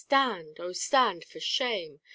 Stand ! Ο stand, for shame !